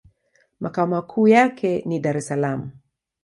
Makao makuu yake ni Dar-es-Salaam.